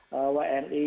pada saat pertama